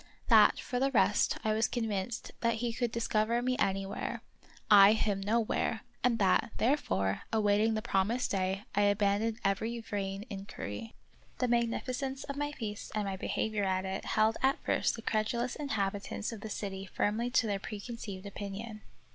That, for the rest, I was con vinced that he could discover me anywhere; I him nowhere; and that, therefore, awaiting the promised day, I abandoned every vain inquiry. The magnificence of my feast and my behavior at it held at first the credulous inhabitants of the city firmly to their preconceived opinion.